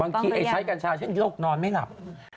บางทีเมื่อกี้ใช้กรรชาเช่นโรคนอนไม่หลับ